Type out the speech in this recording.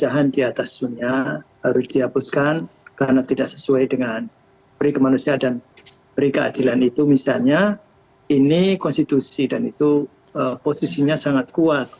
harus dihapuskan karena tidak sesuai dengan perikemanusia dan perikeadilan itu misalnya ini konstitusi dan itu posisinya sangat kuat